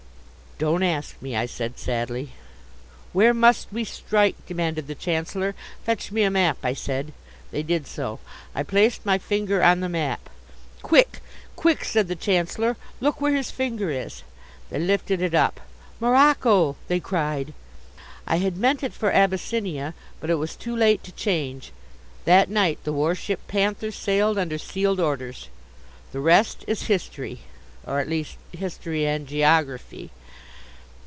"Don't ask me," I said sadly. "Where must we strike?" demanded the Chancellor. "Fetch me a map," I said. They did so. I placed my finger on the map. "Quick, quick," said the Chancellor, "look where his finger is." They lifted it up. "Morocco!" they cried. I had meant it for Abyssinia but it was too late to change. That night the warship Panther sailed under sealed orders. The rest is history, or at least history and geography.